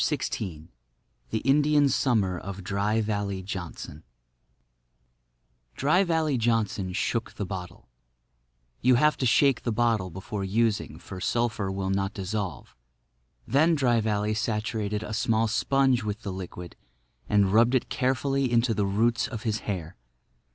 XVI THE INDIAN SUMMER OF DRY VALLEY JOHNSON Dry Valley Johnson shook the bottle. You have to shake the bottle before using; for sulphur will not dissolve. Then Dry Valley saturated a small sponge with the liquid and rubbed it carefully into the roots of his hair.